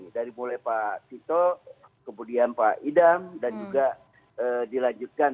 dari mulai pak tito kemudian pak idam dan juga dilanjutkan